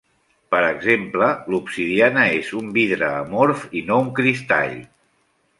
Per exemple l'obsidiana és un vidre amorf i no un cristall.